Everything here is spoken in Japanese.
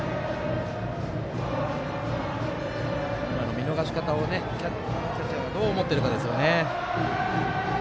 見逃し方をキャッチャーがどう思ってるかですよね。